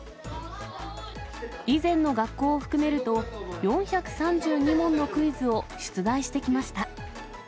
以前の学校を含めると、４３２問のクイズを出題してきました。